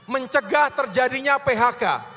mencegah terjadinya phk